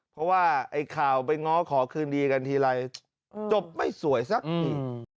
เพราะว่าไอ้ข่าวไปง้อขอคืนดีกันทีไรจบไม่สวยสักที